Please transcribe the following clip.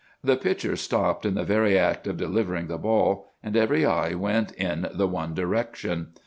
The pitcher stopped in the very act of delivering the ball, and every eye went in the one direction.